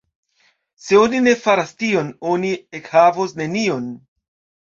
Se oni ne faras tion, oni ekhavos nenion.